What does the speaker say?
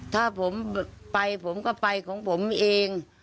ถ้าผมไปผมก็ไปของผมเอง